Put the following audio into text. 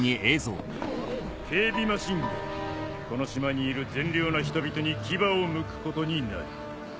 警備マシンがこの島にいる善良な人々に牙をむくことになる。